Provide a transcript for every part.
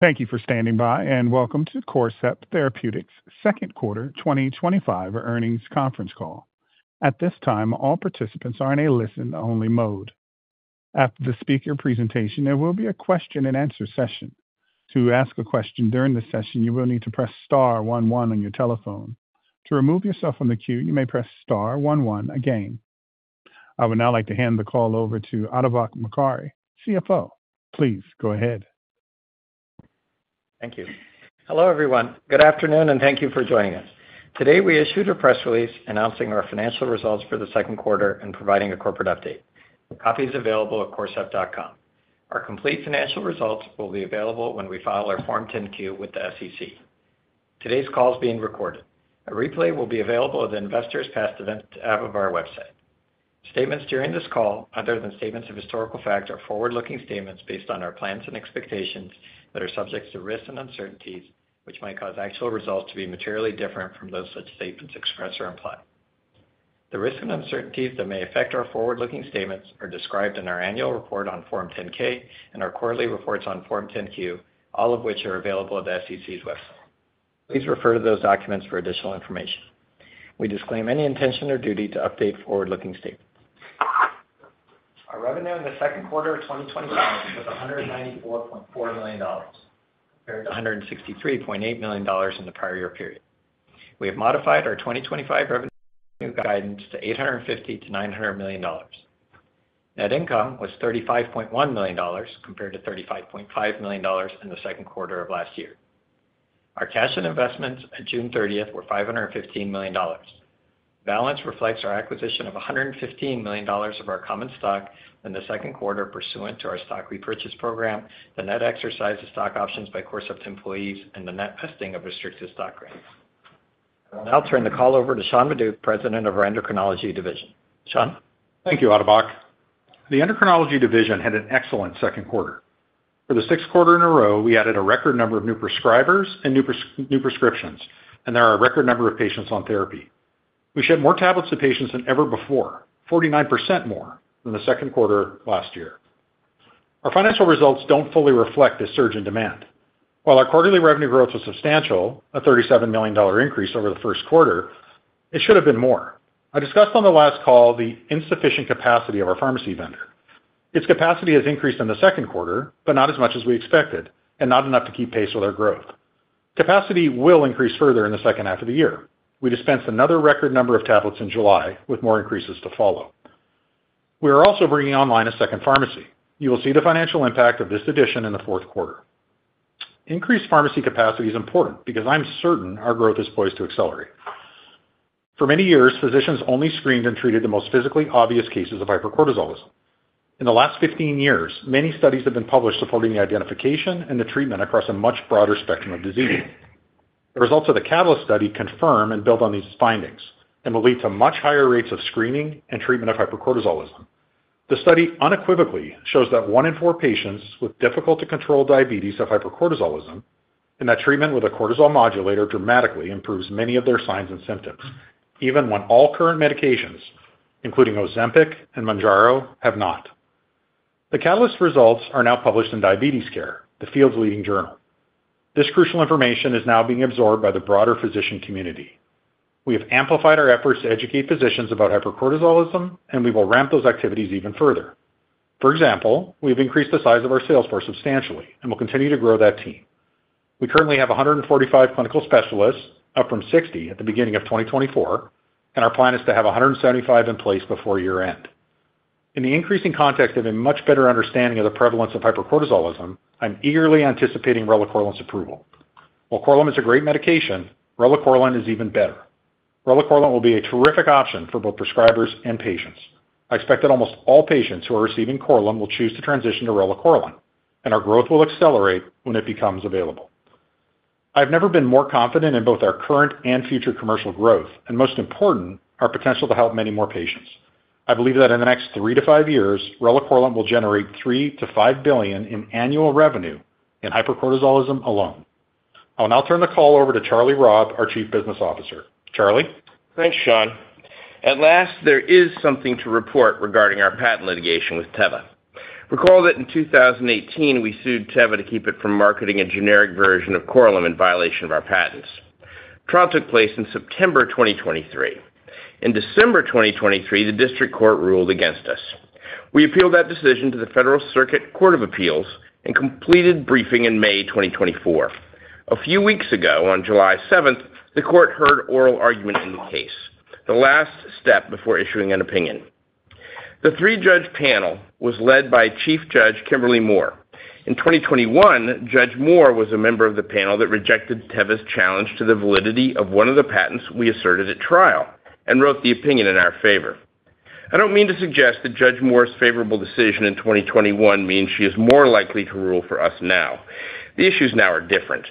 Thank you for standing by and welcome to Corcept Therapeutics' second quarter 2025 earnings conference call. At this time, all participants are in a listen-only mode. After the speaker presentation, there will be a question and answer session. To ask a question during the session, you will need to press star, one one on your telephone. To remove yourself from the queue, you may press star, one, one again. I would now like to hand the call over to Atabak Mokari, CFO. Please go ahead. Thank you. Hello everyone. Good afternoon and thank you for joining us. Today we issue the press release announcing our financial results for the second quarter and providing a corporate update. Copies are available at corcept.com. Our complete financial results will be available when we file our Form 10-Q with the SEC. Today's call is being recorded. A replay will be available on the investors' past events tab of our website. Statements during this call, other than statements of historical fact, are forward-looking statements based on our plans and expectations that are subject to risks and uncertainties, which might cause actual results to be materially different from those such statements expressed or implied. The risks and uncertainties that may affect our forward-looking statements are described in our annual report on Form 10-K and our quarterly reports on Form 10-Q, all of which are available at the SEC's website. Please refer to those documents for additional information. We disclaim any intention or duty to update forward-looking statements. Our revenue in the second quarter of 2025 was $194.4 million compared to $163.8 million in the prior year period. We have modified our 2025 revenue guidance to $850 million-$900 million. Net income was $35.1 million compared to $35.5 million in the second quarter of last year. Our cash and investments at June 30th were $515 million. Balance reflects our acquisition of $115 million of our common stock in the second quarter pursuant to our stock repurchase program, the net exercise of stock options by Corcept employees, and the net vesting of restricted stock grants. I will now turn the call over to Sean Maduck, President of our Endocrinology Division. Sean? Thank you, Atabak. The Endocrinology Division had an excellent second quarter. For the sixth quarter in a row, we added a record number of new prescribers and new prescriptions, and there are a record number of patients on therapy. We shipped more tablets to patients than ever before, 49% more than the second quarter last year. Our financial results don't fully reflect this surge in demand. While our quarterly revenue growth was substantial, a $37 million increase over the first quarter, it should have been more. I discussed on the last call the insufficient capacity of our pharmacy vendor. Its capacity has increased in the second quarter, but not as much as we expected and not enough to keep pace with our growth. Capacity will increase further in the second half of the year. We dispensed another record number of tablets in July, with more increases to follow. We are also bringing online a second pharmacy. You will see the financial impact of this addition in the fourth quarter. Increased pharmacy capacity is important because I'm certain our growth is poised to accelerate. For many years, physicians only screened and treated the most physically obvious cases of hypercortisolism. In the last 15 years, many studies have been published supporting the identification and the treatment across a much broader spectrum of diseases. The results of the CATALYST study confirm and build on these findings and will lead to much higher rates of screening and treatment of hypercortisolism. The study unequivocally shows that one in four patients with difficult-to-control diabetes have hypercortisolism and that treatment with a cortisol modulator dramatically improves many of their signs and symptoms, even when all current medications, including Ozempic and Mounjaro, have not. The CATALYST results are now published in Diabetes Care, the field's leading journal. This crucial information is now being absorbed by the broader physician community. We have amplified our efforts to educate physicians about hypercortisolism, and we will ramp those activities even further. For example, we have increased the size of our sales force substantially and will continue to grow that team. We currently have 145 clinical specialists, up from 60 at the beginning of 2024, and our plan is to have 175 in place before year-end. In the increasing context of a much better understanding of the prevalence of hypercortisolism, I'm eagerly anticipating relacorilant's approval. While Korlym is a great medication, relacorilant is even better. Relacorilant will be a terrific option for both prescribers and patients. I expect that almost all patients who are receiving Korlym will choose to transition to relacorilant, and our growth will accelerate when it becomes available. I've never been more confident in both our current and future commercial growth, and most important, our potential to help many more patients. I believe that in the next three to five years, relacorilant will generate $3 billion-$5 billion in annual revenue in hypercortisolism alone. I will now turn the call over to Charlie Robb, our Chief Business Officer. Charlie? Thanks, Sean. At last, there is something to report regarding our patent litigation with Teva. Recall that in 2018, we sued Teva to keep it from marketing a generic version of Korlym in violation of our patents. The trial took place in September 2023. In December 2023, the district court ruled against us. We appealed that decision to the Federal Circuit and completed briefing in May 2024. A few weeks ago, on July 7th, the court heard oral argument in the case, the last step before issuing an opinion. The three-judge panel was led by Chief Judge Kimberly Moore. In 2021, Judge Moore was a member of the panel that rejected Teva's challenge to the validity of one of the patents we asserted at trial and wrote the opinion in our favor. I don't mean to suggest that Judge Moore's favorable decision in 2021 means she is more likely to rule for us now. The issues now are different.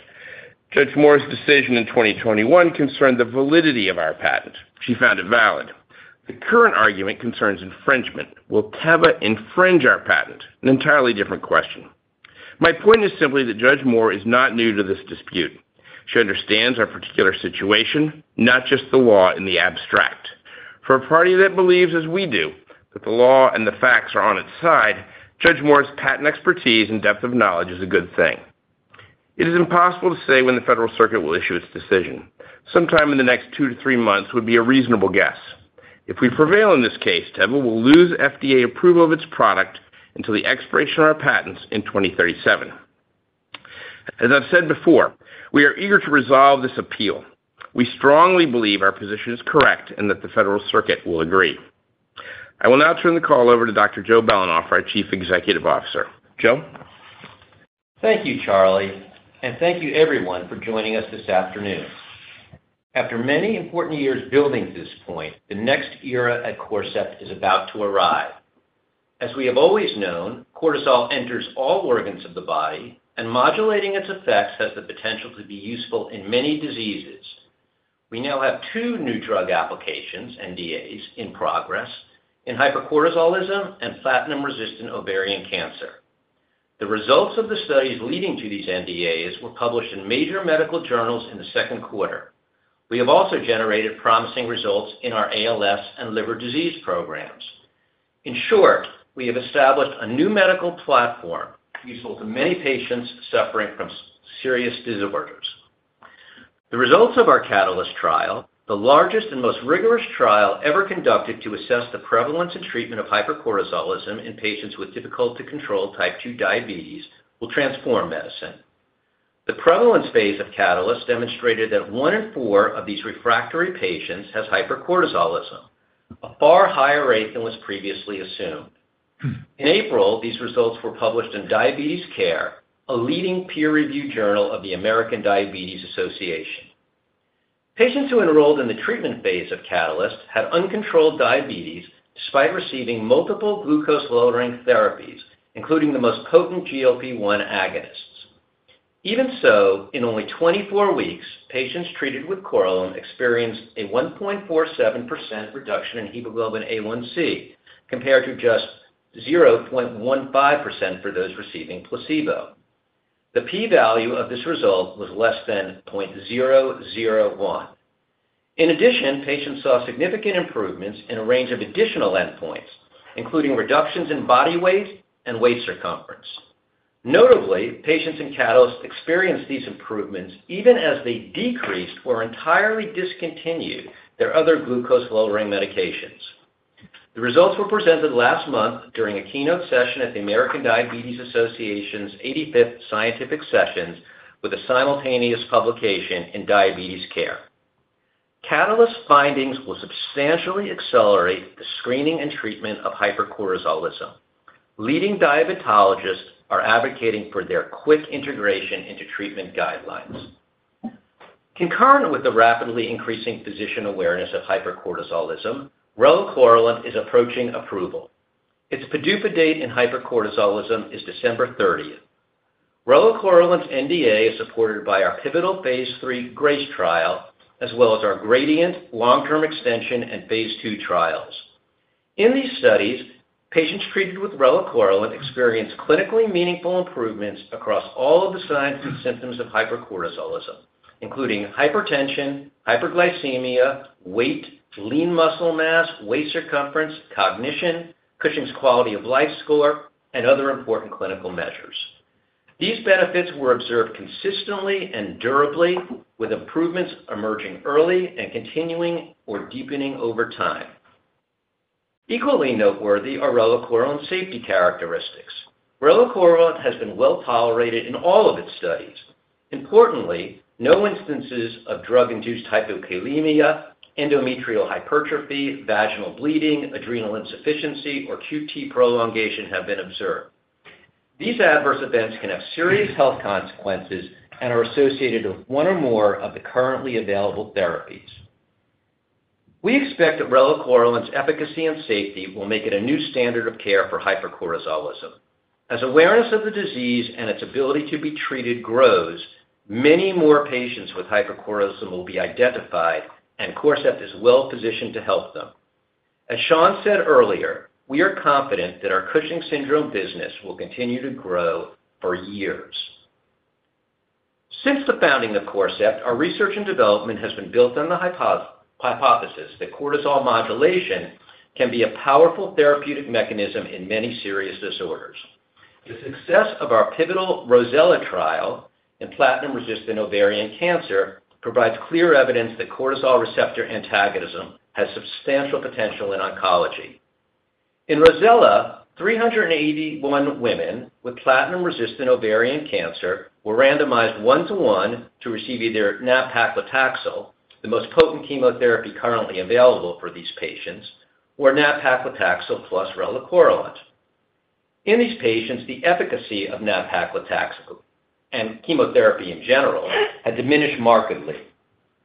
Judge Moore's decision in 2021 concerned the validity of our patent. She found it valid. The current argument concerns infringement. Will Teva infringe our patent? An entirely different question. My point is simply that Judge Moore is not new to this dispute. She understands our particular situation, not just the law in the abstract. For a party that believes, as we do, that the law and the facts are on its side, Judge Moore's patent expertise and depth of knowledge is a good thing. It is impossible to say when the Federal Circuit will issue its decision. Sometime in the next two to three months would be a reasonable guess. If we prevail in this case, Teva will lose FDA approval of its product until the expiration of our patents in 2037. As I've said before, we are eager to resolve this appeal. We strongly believe our position is correct and that the Federal Circuit will agree. I will now turn the call over to Dr. Joe. Belanoff, our Chief Executive Officer. Joe. Thank you, Charlie, and thank you everyone for joining us this afternoon. After many important years building to this point, the next era at Corcept Therapeutics is about to arrive. As we have always known, cortisol enters all organs of the body, and modulating its effects has the potential to be useful in many diseases. We now have two New Drug Applications, NDAs, in progress in hypercortisolism and platinum-resistant ovarian cancer. The results of the studies leading to these NDAs were published in major medical journals in the second quarter. We have also generated promising results in our ALS and liver disease programs. In short, we have established a new medical platform useful to many patients suffering from serious disorders. The results of our CATALYST trial, the largest and most rigorous trial ever conducted to assess the prevalence and treatment of hypercortisolism in patients with difficult-to-control type 2 diabetes, will transform medicine. The prevalence phase of CATALYST demonstrated that one in four of these refractory patients has hypercortisolism, a far higher rate than was previously assumed. In April, these results were published in Diabetes Care, a leading peer-reviewed journal of the American Diabetes Association. Patients who enrolled in the treatment phase of CATALYST had uncontrolled diabetes despite receiving multiple glucose-lowering therapies, including the most potent GLP-1 agonists. Even so, in only 24 weeks, patients treated with Korlym experienced a 1.47% reduction in hemoglobin A1c compared to just 0.15% for those receiving placebo. The p-value of this result was less than 0.001. In addition, patients saw significant improvements in a range of additional endpoints, including reductions in body weight and waist circumference. Notably, patients in CATALYST experienced these improvements even as they decreased or entirely discontinued their other glucose-lowering medications. The results were presented last month during a keynote session at the American Diabetes Association's 85th Scientific Sessions with a simultaneous publication in Diabetes Care. CATALYST findings will substantially accelerate the screening and treatment of hypercortisolism. Leading diabetologists are advocating for their quick integration into treatment guidelines. Concurrent with the rapidly increasing physician awareness of hypercortisolism, relacorilant is approaching approval. Its PDUFA date in hypercortisolism is December 30, 2024. Relacorilant's NDA is supported by our pivotal phase III GRACE trial, as well as our GRADIENT, long-term extension, and phase II trials. In these studies, patients treated with relacorilant experienced clinically meaningful improvements across all of the signs and symptoms of hypercortisolism, including hypertension, hyperglycemia, weight, lean muscle mass, waist circumference, cognition, Cushing's quality of life score, and other important clinical measures. These benefits were observed consistently and durably, with improvements emerging early and continuing or deepening over time. Equally noteworthy are relacorilant's safety characteristics. Relacorilant has been well tolerated in all of its studies. Importantly, no instances of drug-induced hypokalemia, endometrial hypertrophy, vaginal bleeding, adrenal insufficiency, or QT prolongation have been observed. These adverse events can have serious health consequences and are associated with one or more of the currently available therapies. We expect that relacorilant's efficacy and safety will make it a new standard of care for hypercortisolism. As awareness of the disease and its ability to be treated grows, many more patients with hypercortisolism will be identified, and Corcept is well positioned to help them. As Sean said earlier, we are confident that our Cushing syndrome business will continue to grow for years. Since the founding of Corcept, our research and development has been built on the hypothesis that cortisol modulation can be a powerful therapeutic mechanism in many serious disorders. The success of our pivotal ROSELLA trial in platinum-resistant ovarian cancer provides clear evidence that cortisol receptor antagonism has substantial potential in oncology. In ROSELLA, 381 women with platinum-resistant ovarian cancer were randomized one-to-one to receive either nab-paclitaxel, the most potent chemotherapy currently available for these patients, or nab-paclitaxel plus relacorilant. In these patients, the efficacy of nab-paclitaxel and chemotherapy in general had diminished markedly.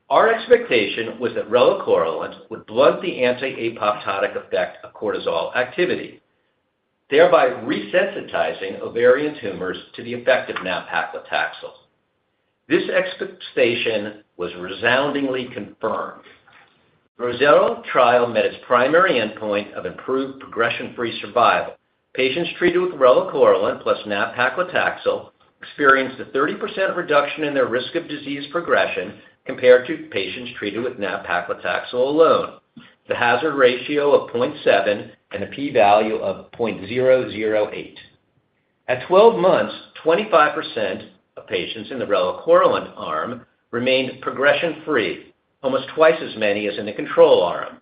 Our expectation was that relacorilant would blunt the anti-apoptotic effect of cortisol activity, thereby resensitizing ovarian tumors to the effect of nab-paclitaxel. This expectation was resoundingly confirmed. The ROSELLA trial met its primary endpoint of improved progression-free survival. Patients treated with relacorilant plus nab-paclitaxel experienced a 30% reduction in their risk of disease progression compared to patients treated with nab-paclitaxel alone, the hazard ratio of 0.7 and a p-value of 0.008. At 12 months, 25% of patients in the relacorilant arm remained progression-free, almost twice as many as in the control arm.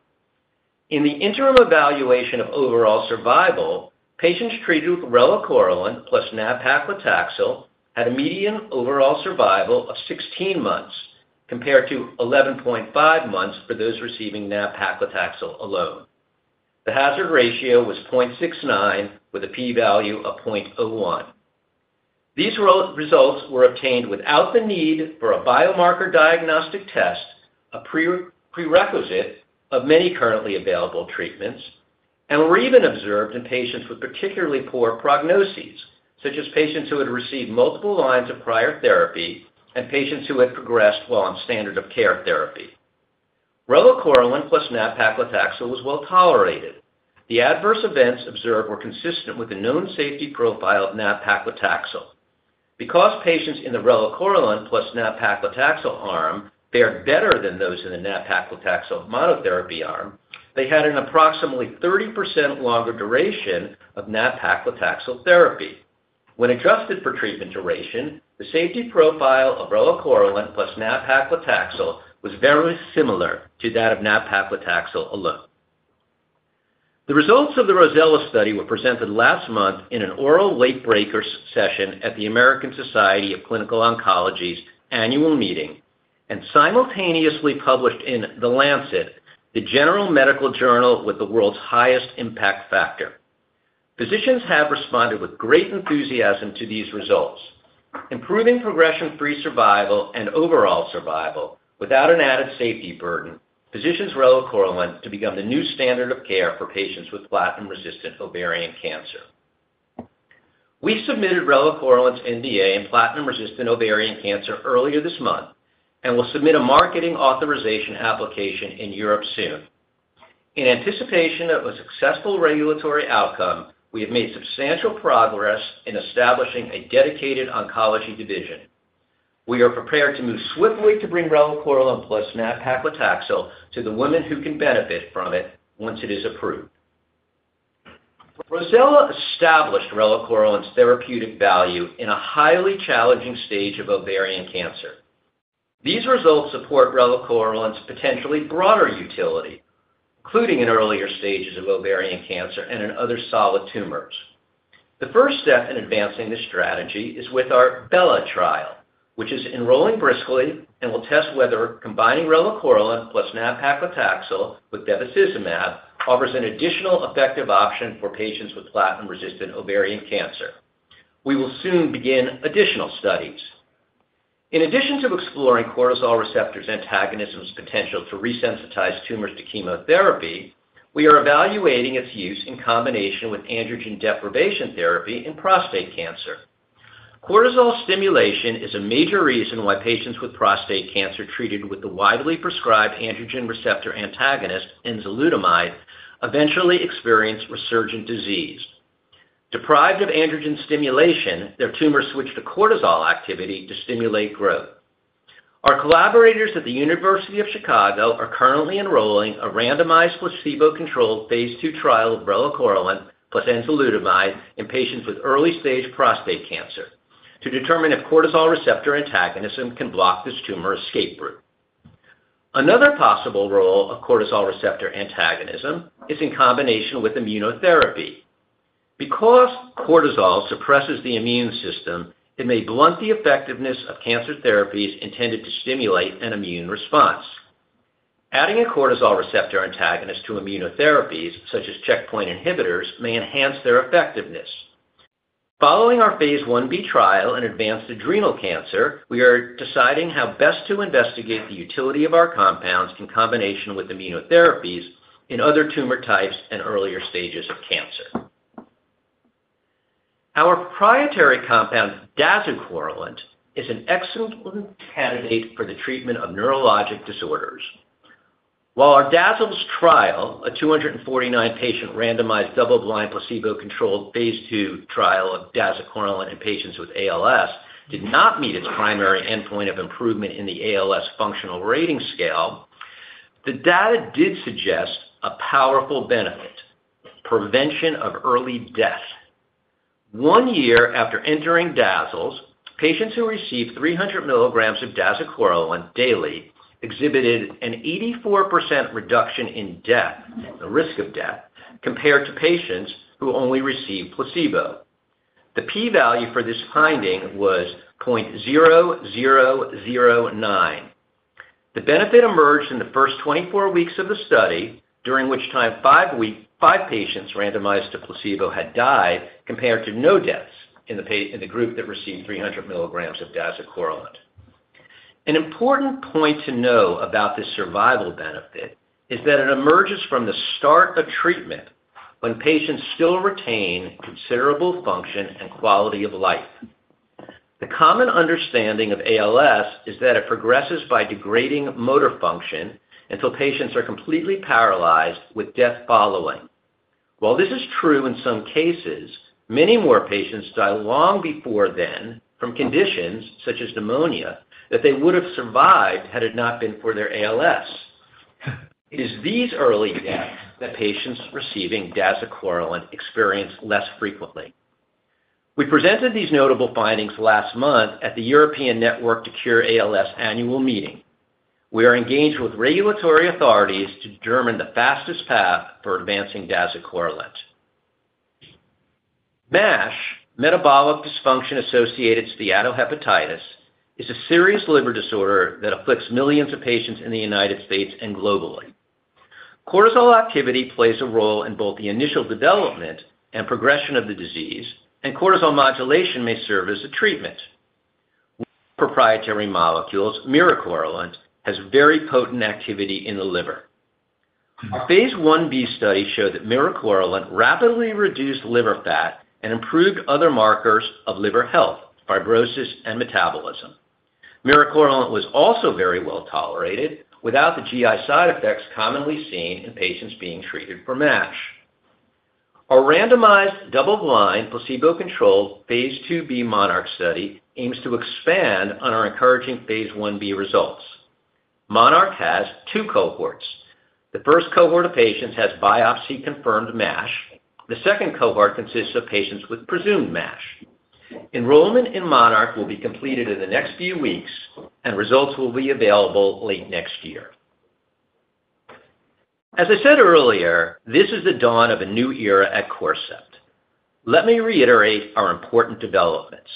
In the interim evaluation of overall survival, patients treated with relacorilant plus nab-paclitaxel had a median overall survival of 16 months compared to 11.5 months for those receiving nab-paclitaxel alone. The hazard ratio was 0.69 with a p-value of 0.01. These results were obtained without the need for a biomarker diagnostic test, a prerequisite of many currently available treatments, and were even observed in patients with particularly poor prognoses, such as patients who had received multiple lines of prior therapy and patients who had progressed while on standard-of-care therapy. Relacorilant plus nab-paclitaxel was well tolerated. The adverse events observed were consistent with the known safety profile of nab-paclitaxel. Because patients in the relacorilant plus nab-paclitaxel arm fared better than those in the nab-paclitaxel monotherapy arm, they had an approximately 30% longer duration of nab-paclitaxel therapy. When adjusted for treatment duration, the safety profile of relacorilant plus nab-paclitaxel was very similar to that of nab-paclitaxel alone. The results of the ROSELLA study were presented last month in an oral weight-breaker session at the American Society of Clinical Oncology's annual meeting and simultaneously published in The Lancet, the general medical journal with the world's highest impact factor. Physicians have responded with great enthusiasm to these results, improving progression-free survival and overall survival without an added safety burden. Physicians expect relacorilant to become the new standard of care for patients with platinum-resistant ovarian cancer. We submitted relacorilant's NDA in platinum-resistant ovarian cancer earlier this month and will submit a marketing authorization application in Europe soon. In anticipation of a successful regulatory outcome, we have made substantial progress in establishing a dedicated oncology division. We are prepared to move swiftly to bring relacorilant plus nab-paclitaxel to the women who can benefit from it once it is approved. ROSELLA established relacorilant's therapeutic value in a highly challenging stage of ovarian cancer. These results support relacorilant's potentially broader utility, including in earlier stages of ovarian cancer and in other solid tumors. The first step in advancing this strategy is with our BELLA trial, which is enrolling briskly and will test whether combining relacorilant plus nab-paclitaxel with bevacizumab offers an additional effective option for patients with platinum-resistant ovarian cancer. We will soon begin additional studies. In addition to exploring cortisol receptor antagonism's potential to resensitize tumors to chemotherapy, we are evaluating its use in combination with androgen deprivation therapy in prostate cancer. Cortisol stimulation is a major reason why patients with prostate cancer treated with the widely prescribed androgen receptor antagonist, enzalutamide, eventually experience resurgent disease. Deprived of androgen stimulation, their tumors switch to cortisol activity to stimulate growth. Our collaborators at the University of Chicago are currently enrolling a randomized placebo-controlled phase II trial of relacorilant plus enzalutamide in patients with early-stage prostate cancer to determine if cortisol receptor antagonism can block this tumor escape route. Another possible role of cortisol receptor antagonism is in combination with immunotherapy. Because cortisol suppresses the immune system, it may blunt the effectiveness of cancer therapies intended to stimulate an immune response. Adding a cortisol receptor antagonist to immunotherapies, such as checkpoint inhibitors, may enhance their effectiveness. Following our phase Ib trial in advanced adrenal cancer, we are deciding how best to investigate the utility of our compounds in combination with immunotherapies in other tumor types and earlier stages of cancer. Our proprietary compound, dazucorilant, is an excellent candidate for the treatment of neurologic disorders. While our DAZALS trial, a 249-patient randomized double-blind placebo-controlled phase II trial of dazucorilant in patients with ALS, did not meet its primary endpoint of improvement in the ALS functional rating scale, the data did suggest a powerful benefit: prevention of early death. One year after entering DAZALS, patients who received 300 mg of dazucorilant daily exhibited an 84% reduction in the risk of death compared to patients who only received placebo. The p-value for this finding was 0.009. The benefit emerged in the first 24 weeks of the study, during which time five patients randomized to placebo had died, compared to no deaths in the group that received 300 mg of dazucorilant. An important point to know about this survival benefit is that it emerges from the start of treatment when patients still retain considerable function and quality of life. The common understanding of ALS is that it progresses by degrading motor function until patients are completely paralyzed with death following. While this is true in some cases, many more patients die long before then from conditions such as pneumonia that they would have survived had it not been for their ALS. It is these early deaths that patients receiving dazucorilant experience less frequently. We presented these notable findings last month at the European Network to Cure ALS annual meeting. We are engaged with regulatory authorities to determine the fastest path for advancing dazucorilant. MASH, metabolic dysfunction-associated steatohepatitis, is a serious liver disorder that afflicts millions of patients in the United States and globally. Cortisol activity plays a role in both the initial development and progression of the disease, and cortisol modulation may serve as a treatment. Our proprietary molecules, miricorilant, have very potent activity in the liver. Our phase Ib study showed that miricorilant rapidly reduced liver fat and improved other markers of liver health, fibrosis, and metabolism. Miricorilant was also very well tolerated without the GI side effects commonly seen in patients being treated for MASH. Our randomized double-blind placebo-controlled phase IIb MONARCH study aims to expand on our encouraging phase Ib results. MONARCH has two cohorts. The first cohort of patients has biopsy-confirmed MASH. The second cohort consists of patients with presumed MASH. Enrollment in MONARCH will be completed in the next few weeks, and results will be available late next year. As I said earlier, this is the dawn of a new era at Corcept. Let me reiterate our important developments.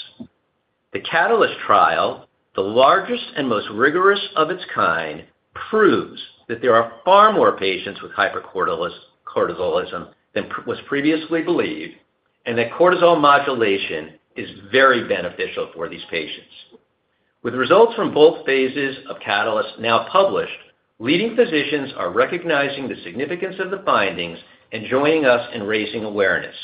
The CATALYST study, the largest and most rigorous of its kind, proves that there are far more patients with hypercortisolism than was previously believed and that cortisol modulation is very beneficial for these patients. With results from both phases of CATALYST now published, leading physicians are recognizing the significance of the findings and joining us in raising awareness.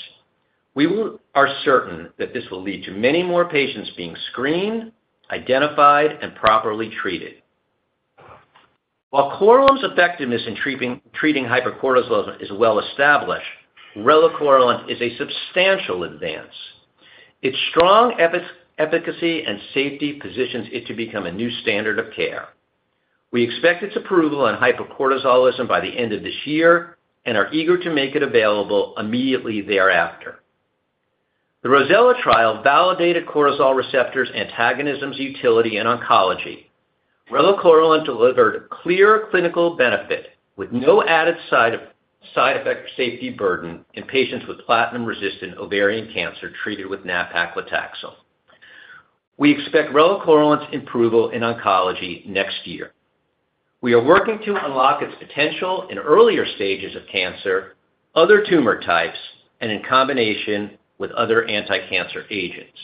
We are certain that this will lead to many more patients being screened, identified, and properly treated. While Korlym's effectiveness in treating hypercortisolism is well established, relacorilant is a substantial advance. Its strong efficacy and safety position it to become a new standard of care. We expect its approval in hypercortisolism by the end of this year and are eager to make it available immediately thereafter. The ROSELLA study validated cortisol receptor antagonism's utility in oncology. Relacorilant delivered clear clinical benefit with no added side effect or safety burden in patients with platinum-resistant ovarian cancer treated with nab-paclitaxel. We expect relacorilant's approval in oncology next year. We are working to unlock its potential in earlier stages of cancer, other tumor types, and in combination with other anti-cancer agents.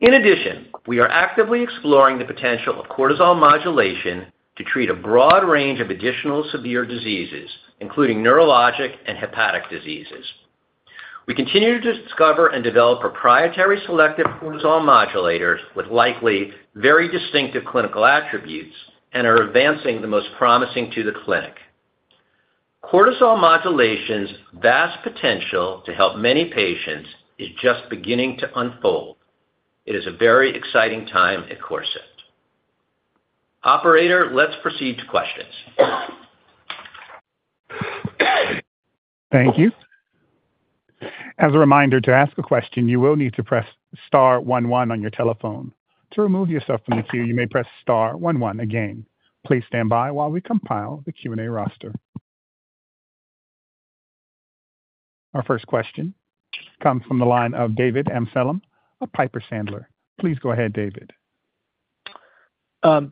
In addition, we are actively exploring the potential of cortisol modulation to treat a broad range of additional severe diseases, including neurologic and hepatic diseases. We continue to discover and develop proprietary selective cortisol modulators with likely very distinctive clinical attributes and are advancing the most promising to the clinic. Cortisol modulation's vast potential to help many patients is just beginning to unfold. It is a very exciting time at Corcept. Operator, let's proceed to questions. Thank you. As a reminder, to ask a question, you will need to press star one, one on your telephone. To remove yourself from the queue, you may press star one, one again. Please stand by while we compile the Q&A roster. Our first question comes from the line of David Amsellem at Piper Sandler. Please go ahead, David.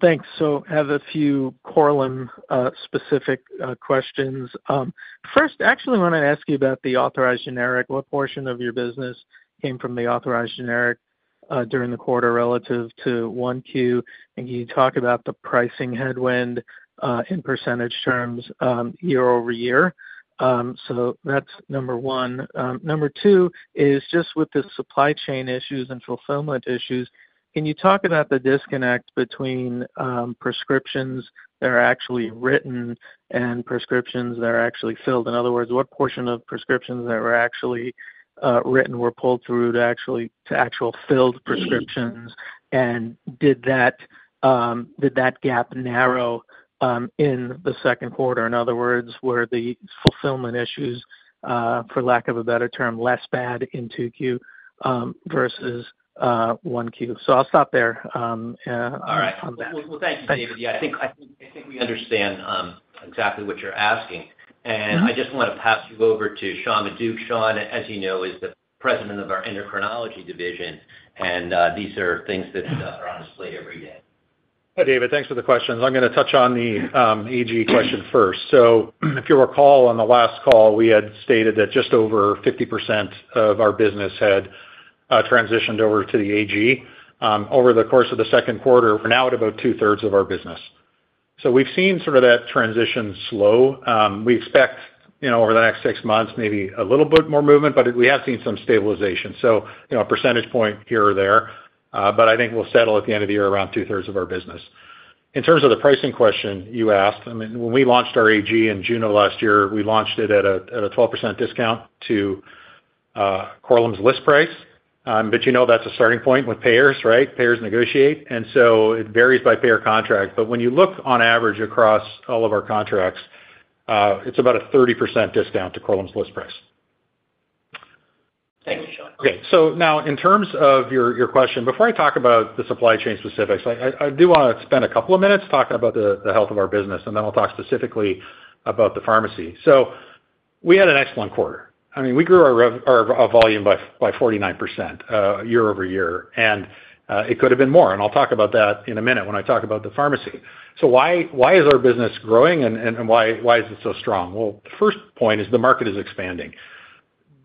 Thanks. I have a few Corcept-specific questions. First, I actually want to ask you about the authorized generic. What portion of your business came from the authorized generic during the quarter relative to 1Q? Can you talk about the pricing headwind in percentage terms year-over-year? That's number one. Number two is just with the supply chain issues and fulfillment issues. Can you talk about the disconnect between prescriptions that are actually written and prescriptions that are actually filled? In other words, what portion of prescriptions that were actually written were pulled through to actually fill prescriptions? Did that gap narrow in the second quarter? In other words, were the fulfillment issues, for lack of a better term, less bad in 2Q versus 1Q? I'll stop there. All right. Thank you, David. I think we understand exactly what you're asking. I just want to pass you over to Sean Maduck. Sean, as you know, is the President of our Endocrinology Division, and these are things that are on his plate every day. Hi, David. Thanks for the questions. I'm going to touch on the authorized generic question first. If you recall, on the last call, we had stated that just over 50% of our business had transitioned over to the authorized generic. Over the course of the second quarter, we're now at about 2/3 of our business. We've seen that transition slow. We expect over the next six months maybe a little bit more movement, but we have seen some stabilization, so a percentage point here or there. I think we'll settle at the end of the year around 2/3 of our business. In terms of the pricing question you asked, when we launched our authorized generic in June of last year, we launched it at a 12% discount to Korlym's list price. You know that's a starting point with payers, right? Payers negotiate, and it varies by payer contract. When you look on average across all of our contracts, it's about a 30% discount to Korlym's list price. Thank you, Sean. Okay. In terms of your question, before I talk about the supply chain specifics, I do want to spend a couple of minutes talking about the health of our business, and then I'll talk specifically about the pharmacy. We had an excellent quarter. I mean, we grew our volume by 49% year-over-year, and it could have been more. I'll talk about that in a minute when I talk about the pharmacy. Why is our business growing and why is it so strong? The first point is the market is expanding.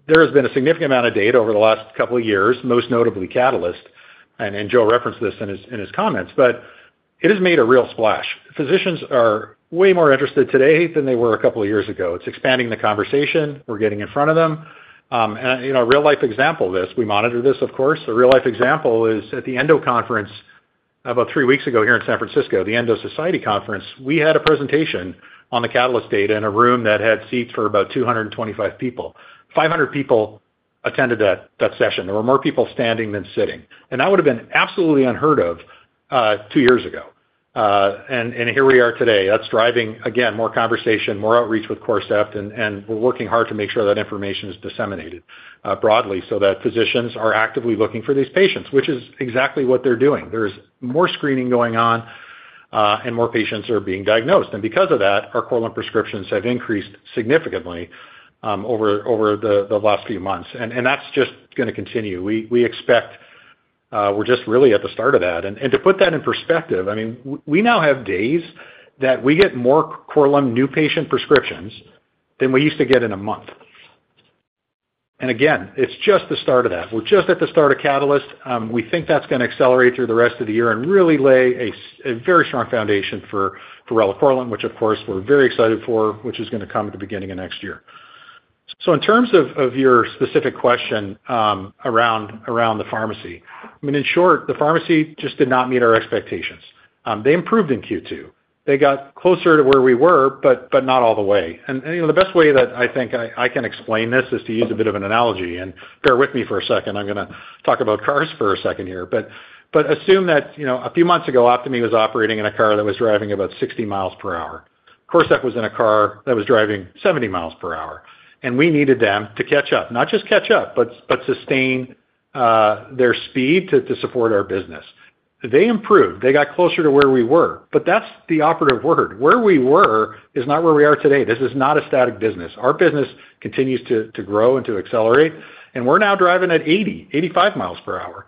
There has been a significant amount of data over the last couple of years, most notably CATALYST. Joe referenced this in his comments, but it has made a real splash. Physicians are way more interested today than they were a couple of years ago. It's expanding the conversation. We're getting in front of them. A real-life example of this, we monitor this, of course. A real-life example is at the Endo Conference about three weeks ago here in San Francisco, the Endo Society Conference. We had a presentation on the CATALYST data in a room that had seats for about 225 people. 500 people attended that session. There were more people standing than sitting. That would have been absolutely unheard of two years ago. Here we are today. That's driving, again, more conversation, more outreach with Corcept. We're working hard to make sure that information is disseminated broadly so that physicians are actively looking for these patients, which is exactly what they're doing. There's more screening going on, and more patients are being diagnosed. Because of that, our Korlym prescriptions have increased significantly over the last few months. That's just going to continue. We expect we're just really at the start of that. To put that in perspective, we now have days that we get more Korlym new patient prescriptions than we used to get in a month. Again, it's just the start of that. We're just at the start of CATALYST. We think that's going to accelerate through the rest of the year and really lay a very strong foundation for relacorilant, which, of course, we're very excited for, which is going to come at the beginning of next year. In terms of your specific question around the pharmacy, in short, the pharmacy just did not meet our expectations. They improved in Q2. They got closer to where we were, but not all the way. The best way that I think I can explain this is to use a bit of an analogy. Bear with me for a second. I'm going to talk about cars for a second here. Assume that a few months ago, Optome was operating in a car that was driving about 60 mi per hour. Corcept was in a car that was driving 70 mi per hour. We needed them to catch up, not just catch up, but sustain their speed to support our business. They improved. They got closer to where we were. That's the operative word. Where we were is not where we are today. This is not a static business. Our business continues to grow and to accelerate. We're now driving at 80 mi, 85 mi per hour.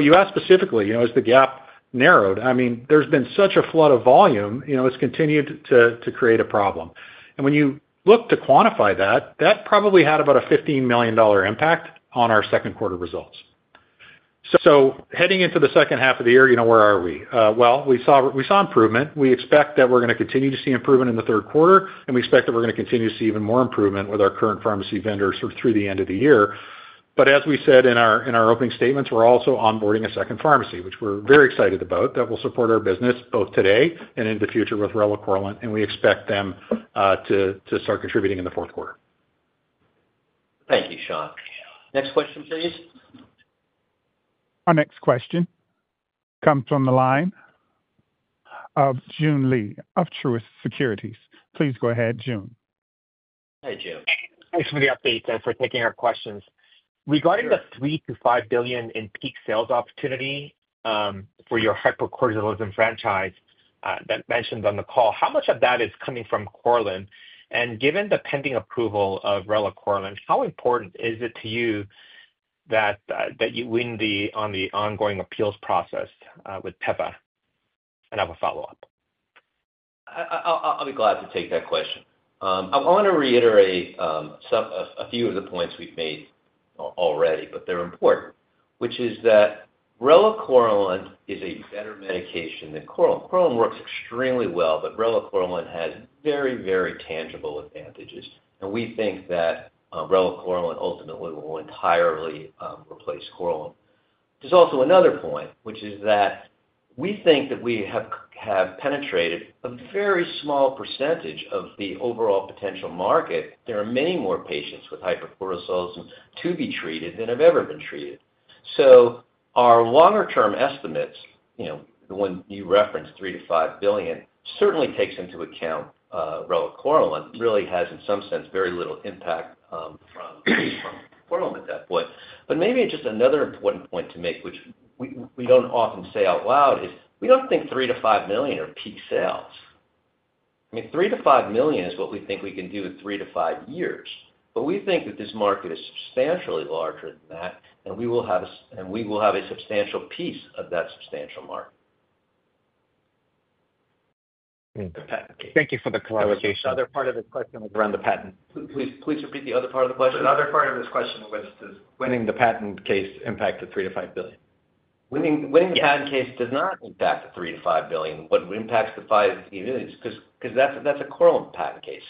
You asked specifically, you know, is the gap narrowed? There has been such a flood of volume. It's continued to create a problem. When you look to quantify that, that probably had about a $15 million impact on our second quarter results. Heading into the second half of the year, you know, where are we? We saw improvement. We expect that we're going to continue to see improvement in the third quarter. We expect that we're going to continue to see even more improvement with our current pharmacy vendor through the end of the year. As we said in our opening statements, we're also onboarding a second pharmacy, which we're very excited about, that will support our business both today and into the future with relacorilant. We expect them to start contributing in the fourth quarter. Thank you, Sean. Next question, please. Our next question comes from the line of Joon Lee of Truist Securities. Please go ahead, Joon. Thanks for the update and for taking our questions. Regarding the $3 billion-$5 billion in peak sales opportunity for your hypercortisolism franchise that you mentioned on the call, how much of that is coming from Korlym? Given the pending approval of relacorilant, how important is it to you that you win on the ongoing appeals process with Teva? I have a follow-up. I'll be glad to take that question. I want to reiterate a few of the points we've made already, but they're important, which is that relacorilant is a better medication than Korlym. Korlym works extremely well, but relacorilant has very, very tangible advantages. We think that relacorilant ultimately will entirely replace Korlym. There's also another point, which is that we think that we have penetrated a very small percentage of the overall potential market. There are many more patients with hypercortisolism to be treated than have ever been treated. Our longer-term estimates, you know, the one you referenced, $3 billion-$5 billion, certainly take into account relacorilant. It really has, in some sense, very little impact from Korlym at that point. Maybe just another important point to make, which we don't often say out loud, is we don't think $3 billion-$5 billion are peak sales. I mean, $3 billion-$5 billion is what we think we can do in three to five years. We think that this market is substantially larger than that. We will have a substantial piece of that substantial market. Thank you for the clarification. The other part of the question was around the patent. Please repeat the other part of the question. The other part of this question was does winning the patent case impact the $3 billion-$5 billion? Winning the patent case does not impact the $3 billion-$5 billion. What impacts the $5 billion is because that's a relacorilant patent case.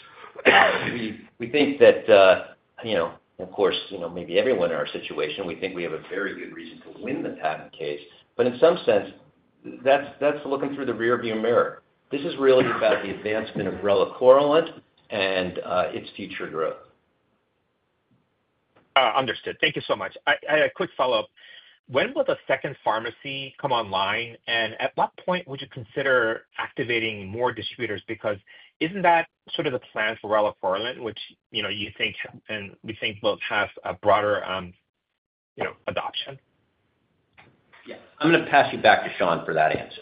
We think that, you know, of course, maybe everyone in our situation, we think we have a very good reason to win the patent case. In some sense, that's looking through the rearview mirror. This is really about the advancement of relacorilant and its future growth. Understood. Thank you so much. I had a quick follow-up. When will the second pharmacy come online? At what point would you consider activating more distributors? Isn't that sort of the plan for relacorilant, which you think and we think will have a broader adoption? Yeah, I'm going to pass you back to Sean for that answer.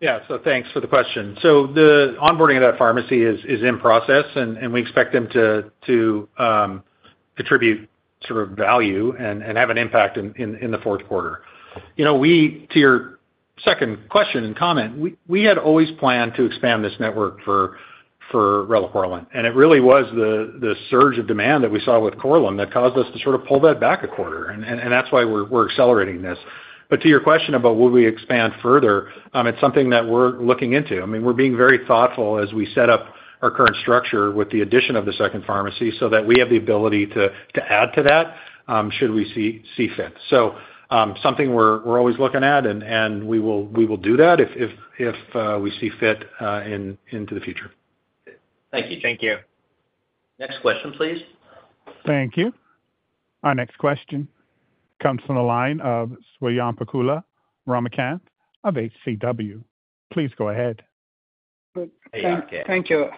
Yeah. Thanks for the question. The onboarding of that pharmacy is in process, and we expect them to contribute value and have an impact in the fourth quarter. To your second question and comment, we had always planned to expand this network for relacorilant. It really was the surge of demand that we saw with Korlym that caused us to pull that back a quarter. That's why we're accelerating this. To your question about will we expand further, it's something that we're looking into. We're being very thoughtful as we set up our current structure with the addition of the second pharmacy so that we have the ability to add to that should we see fit. It's something we're always looking at, and we will do that if we see fit into the future. Thank you. Thank you. Next question, please. Thank you. Our next question comes from the line of Swayampakula Ramakanth of HCW. Please go ahead. Thank you.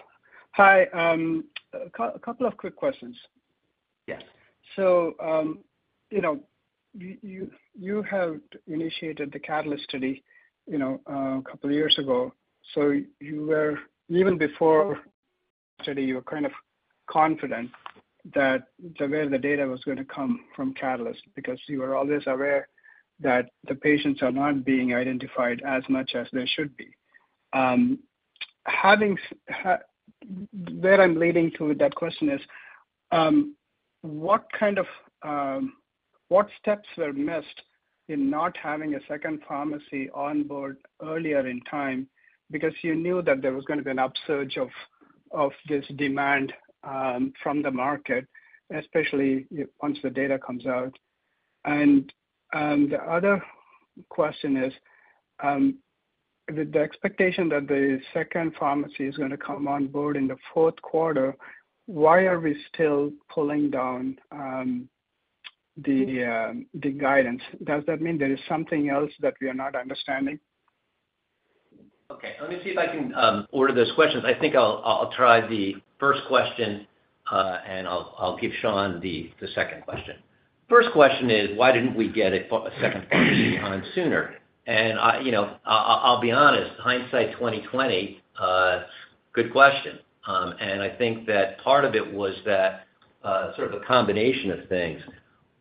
Hi. A couple of quick questions. Yes. You have initiated the CATALYST study a couple of years ago. Even before the study, you were kind of confident that the way the data was going to come from CATALYST because you were always aware that the patients are not being identified as much as they should be. Where I'm leading to with that question is what kind of steps were missed in not having a second pharmacy onboard earlier in time because you knew that there was going to be an upsurge of this demand from the market, especially once the data comes out? The other question is with the expectation that the second pharmacy is going to come on board in the fourth quarter, why are we still pulling down the guidance? Does that mean there is something else that we are not understanding? Okay. Let me see if I can order those questions. I think I'll try the first question, and I'll give Sean the second question. First question is, why didn't we get a second pharmacy on sooner? I'll be honest, hindsight 20/20, good question. I think that part of it was that sort of a combination of things.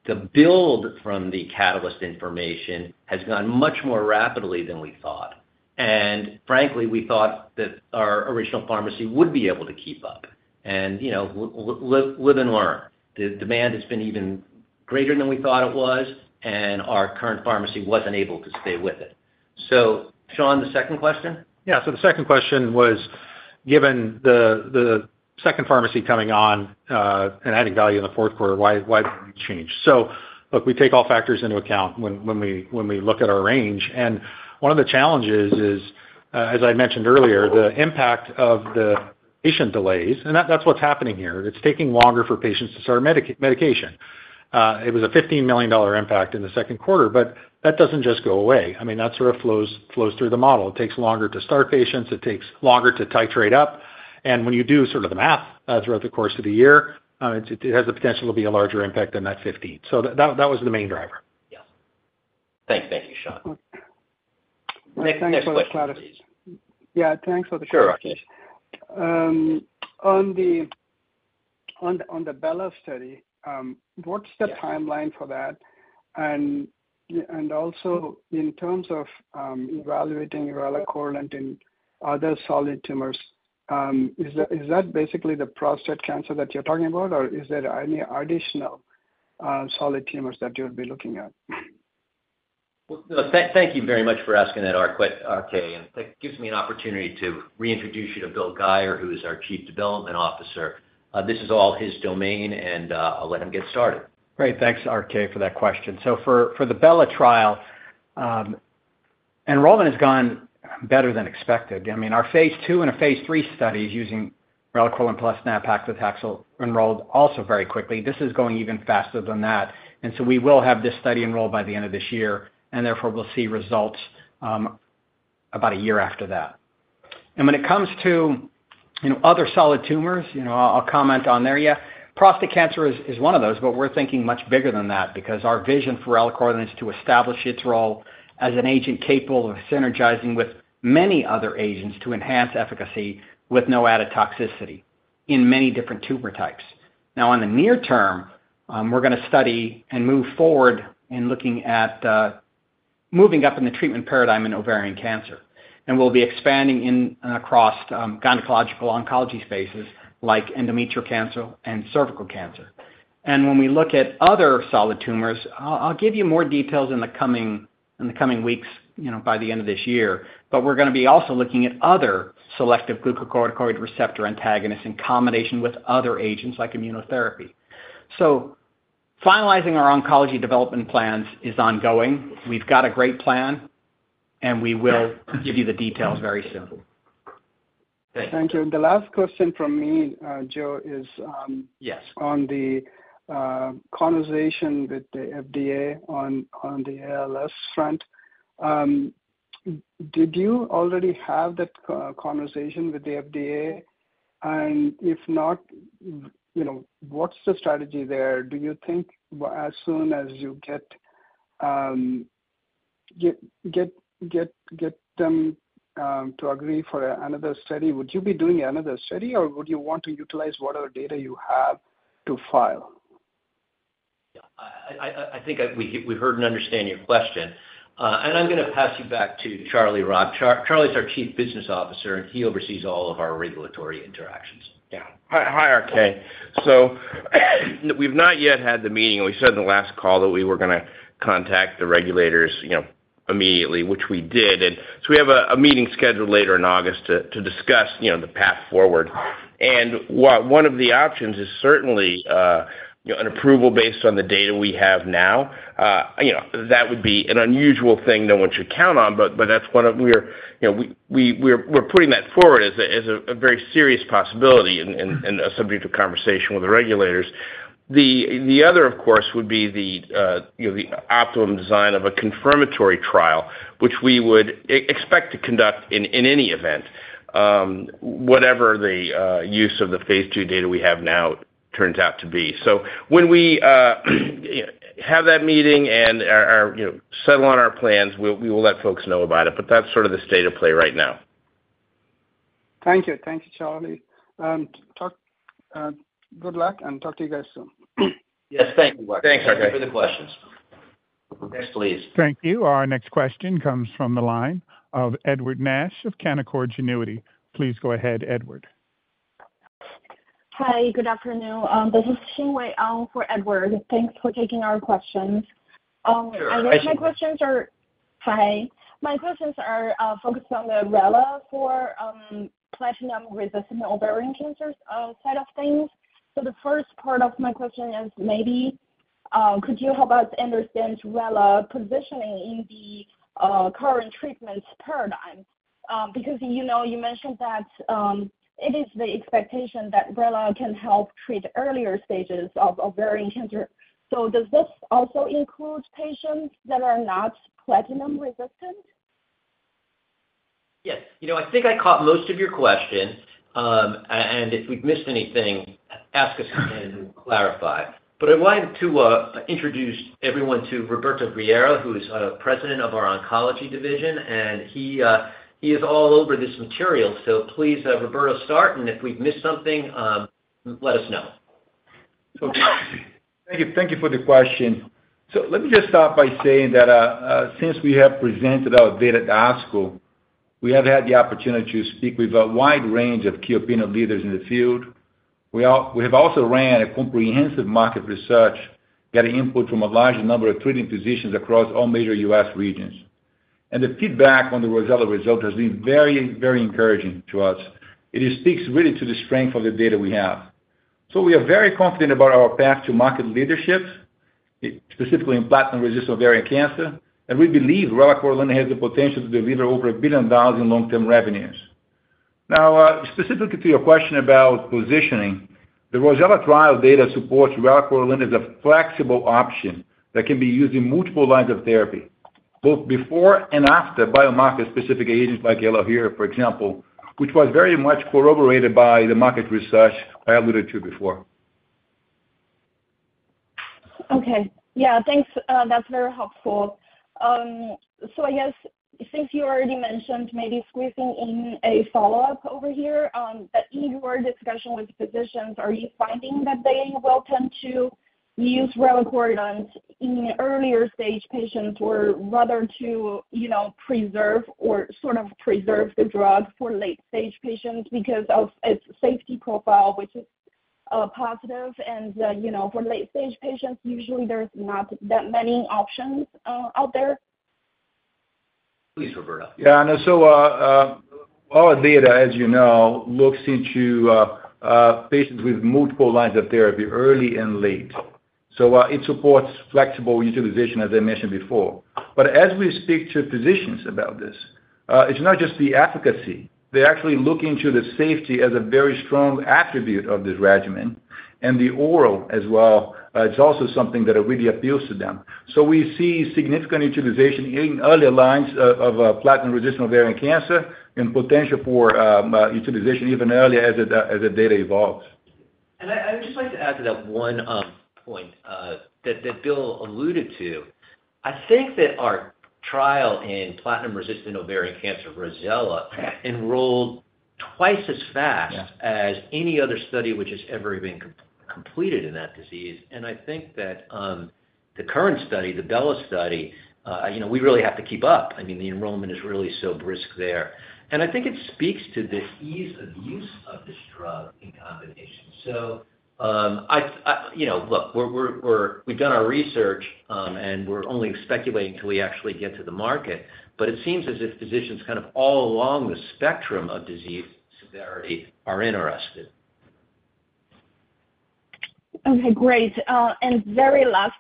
The build from the CATALYST information has gone much more rapidly than we thought. Frankly, we thought that our original pharmacy would be able to keep up. You know, live and learn. The demand has been even greater than we thought it was, and our current pharmacy wasn't able to stay with it. Sean, the second question? Yeah. The second question was, given the second pharmacy coming on and adding value in the fourth quarter, why didn't we change? We take all factors into account when we look at our range. One of the challenges is, as I mentioned earlier, the impact of the patient delays. That's what's happening here. It's taking longer for patients to start medication. It was a $15 million impact in the second quarter, but that doesn't just go away. That sort of flows through the model. It takes longer to start patients. It takes longer to titrate up. When you do the math throughout the course of the year, it has the potential to be a larger impact than that $15 million. That was the main driver. Thank you. Thank you, Sean. Next question, please. Yeah, thanks for the questions. Sure, Rakesh. On the BELLA study, what's the timeline for that? Also, in terms of evaluating relacorilant in other solid tumors, is that basically the prostate cancer that you're talking about, or is there any additional solid tumors that you'll be looking at? Thank you very much for asking that, RK. That gives me an opportunity to reintroduce you to Bill Guyer, who is our Chief Development Officer. This is all his domain, and I'll let him get started. Right. Thanks, RK, for that question. For the BELLA trial, enrollment has gone better than expected. Our phase II and our phase III studies using relacorilant plus nab-paclitaxel enrolled also very quickly. This is going even faster than that. We will have this study enrolled by the end of this year, and therefore, we'll see results about a year after that. When it comes to other solid tumors, I'll comment on there. Yeah, prostate cancer is one of those, but we're thinking much bigger than that because our vision for relacorilant is to establish its role as an agent capable of synergizing with many other agents to enhance efficacy with no added toxicity in many different tumor types. In the near term, we're going to study and move forward in looking at moving up in the treatment paradigm in ovarian cancer. We'll be expanding across gynecological oncology spaces like endometrial cancer and cervical cancer. When we look at other solid tumors, I'll give you more details in the coming weeks by the end of this year. We're going to be also looking at other selective glucocorticoid receptor antagonists in combination with other agents like immunotherapy. Finalizing our oncology development plans is ongoing. We've got a great plan, and we will give you the details very soon. Thank you. The last question from me, Joe, is on the conversation with the FDA on the ALS front. Did you already have that conversation with the FDA? If not, what's the strategy there? Do you think as soon as you get them to agree for another study, would you be doing another study, or would you want to utilize whatever data you have to file? Yeah. I think we heard and understand your question. I'm going to pass you back to Charlie Robb. Charlie is our Chief Business Officer, and he oversees all of our regulatory interactions. Yeah. Hi, RK. We've not yet had the meeting. We said in the last call that we were going to contact the regulators immediately, which we did. We have a meeting scheduled later in August to discuss the path forward. One of the options is certainly an approval based on the data we have now. That would be an unusual thing no one should count on, but we're putting that forward as a very serious possibility and a subject of conversation with the regulators. The other, of course, would be the optimum design of a confirmatory trial, which we would expect to conduct in any event, whatever the use of the phase II data we have now turns out to be. When we have that meeting and settle on our plans, we will let folks know about it. That's sort of the state of play right now. Thank you. Thank you, Charlie. Good luck and talk to you guys soon. Yes. Thank you. Thanks, RK. Thank you for the questions. Next, please. Thank you. Our next question comes from the line of Edward Nash of Canaccord Genuity. Please go ahead, Edward. Hi. Good afternoon. This is Xinwei An for Edward. Thanks for taking our questions. Sure. My questions are focused on the relacorilant for platinum-resistant ovarian cancer side of things. The first part of my question is maybe could you help us understand relacorilant positioning in the current treatment paradigm? You mentioned that it is the expectation that relacorilant can help treat earlier stages of ovarian cancer. Does this also include patients that are not platinum-resistant? Yes. I think I caught most of your question. If we've missed anything, ask us and clarify. I wanted to introduce everyone to Roberto Vieira, who is our President of our Oncology Division. He is all over this material. Please, Roberto, start. If we've missed something, let us know. Okay. Thank you. Thank you for the question. Let me just start by saying that since we have presented our data at ASCO, we have had the opportunity to speak with a wide range of key opinion leaders in the field. We have also run a comprehensive market research, getting input from a large number of treating physicians across all major U.S. regions. The feedback on the ROSELLA result has been very, very encouraging to us. It speaks really to the strength of the data we have. We are very confident about our path to market leadership, specifically in platinum-resistant ovarian cancer. We believe relacorilant has the potential to deliver over $1 billion in long-term revenues. Now, specifically to your question about positioning, the ROSELLA trial data supports relacorilant as a flexible option that can be used in multiple lines of therapy, both before and after biomarker-specific agents like Elahere, for example, which was very much corroborated by the market research I alluded to before. Okay. Yeah. Thanks. That's very helpful. I guess since you already mentioned maybe squeezing in a follow-up over here, in your discussion with physicians, are you finding that they will tend to use relacorilant in earlier stage patients or rather to, you know, preserve or sort of preserve the drug for late-stage patients because of its safety profile, which is positive? For late-stage patients, usually, there's not that many options out there? Please, Roberto. Yeah. All our data, as you know, looks into patients with multiple lines of therapy, early and late. It supports flexible utilization, as I mentioned before. As we speak to physicians about this, it's not just the efficacy. They actually look into the safety as a very strong attribute of this regimen. The oral as well, it's also something that really appeals to them. We see significant utilization in early lines of platinum-resistant ovarian cancer and potential for utilization even earlier as the data evolves. I would just like to add to that one point that Bill alluded to. I think that our trial in platinum-resistant ovarian cancer, ROSELLA, enrolled twice as fast as any other study which has ever been completed in that disease. I think that the current study, the BELLA study, we really have to keep up. The enrollment is really so brisk there, and I think it speaks to the ease of use of this drug in combination. We've done our research, and we're only speculating until we actually get to the market, but it seems as if physicians kind of all along the spectrum of disease severity are interested. Okay. Great. The very last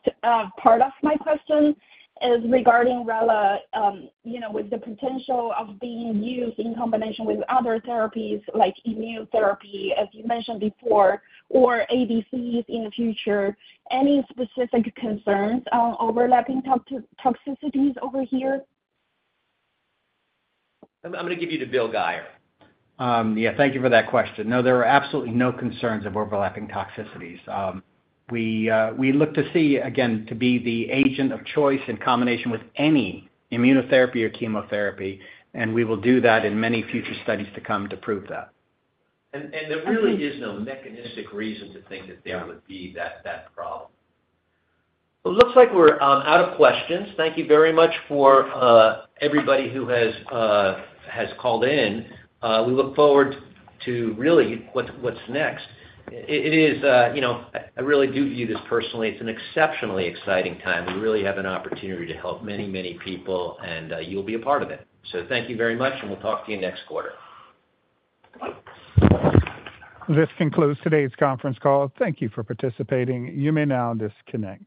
part of my question is regarding relacorilant, you know, with the potential of being used in combination with other therapies like immunotherapy, as you mentioned before, or ADCs in the future. Any specific concerns on overlapping toxicities over here? I'm going to give you to Bill Guyer. Thank you for that question. No, there are absolutely no concerns of overlapping toxicities. We look to see, again, to be the agent of choice in combination with any immunotherapy or chemotherapy. We will do that in many future studies to come to prove that. There really is no mechanistic reason to think that there would be that problem. Looks like we're out of questions. Thank you very much for everybody who has called in. We look forward to really what's next. I really do view this personally. It's an exceptionally exciting time. We really have an opportunity to help many, many people, and you'll be a part of it. Thank you very much, and we'll talk to you next quarter. This concludes today's conference call. Thank you for participating. You may now disconnect.